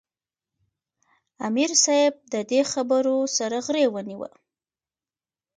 " امیر صېب د دې خبرو سره غرېو ونیوۀ ـ